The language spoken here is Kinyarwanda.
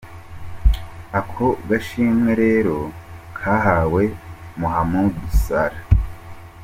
Ako gashimwe rero kahawe Mohamed Salah .